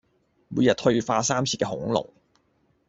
每日退化三次嘅恐龍